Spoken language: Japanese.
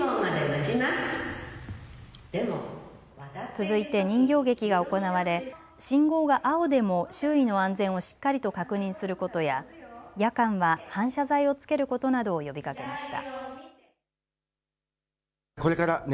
続いて人形劇が行われ信号が青でも周囲の安全をしっかりと確認することや夜間は反射材をつけることなどを呼びかけました。